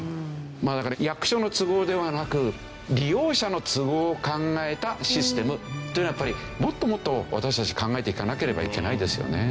まあだから役所の都合ではなく利用者の都合を考えたシステムっていうのをやっぱりもっともっと私たち考えていかなければいけないですよね。